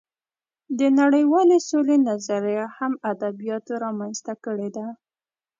د نړۍوالې سولې نظریه هم ادبیاتو رامنځته کړې ده